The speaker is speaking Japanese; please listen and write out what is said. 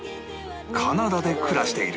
カナダで暮らしている